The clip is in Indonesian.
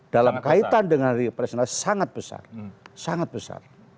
dalam kaitan dengan hari presiden sangat besar